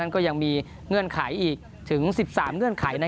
ก็ยังมีเงื่อนไขอีกถึง๑๓เงื่อนไข